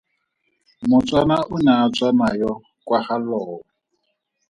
Motswana o ne a tswa nayo kwa ga Lowe.